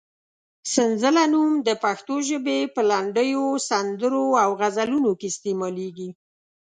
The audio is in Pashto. سنځله نوم د پښتو ژبې په لنډیو، سندرو او غزلونو کې استعمالېږي.